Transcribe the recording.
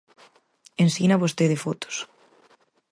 Ensina vostede fotos.